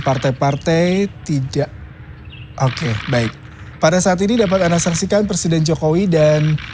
partai partai tidak oke baik pada saat ini dapat anda saksikan presiden jokowi dan